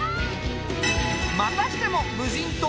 またしても無人島に漂着。